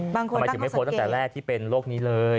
ทำไมถึงไม่โพสต์ตั้งแต่แรกที่เป็นโลกนี้เลย